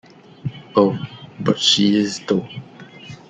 Oh, but she is, though.